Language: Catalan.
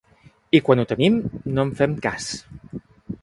I quan ho tenim, no en fem cas.